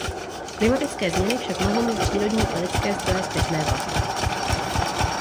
Klimatické změny však mohou mít přírodní i lidské zdroje zpětné vazby.